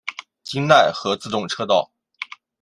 京奈和自动车道。